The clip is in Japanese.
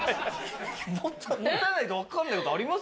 持たないとわからない事ありますよ。